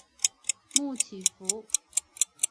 穆奇福。